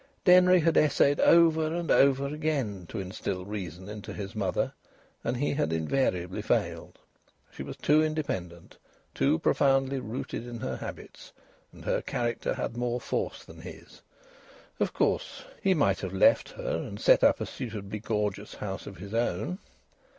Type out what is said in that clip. Denry had essayed over and over again to instil reason into his mother, and he had invariably failed. She was too independent, too profoundly rooted in her habits; and her character had more force than his. Of course, he might have left her and set up a suitably gorgeous house of his own.